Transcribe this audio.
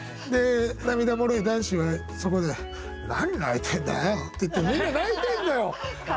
涙もろい男子はそこで「何泣いてんだよ」って言ってみんな泣いてんのよ！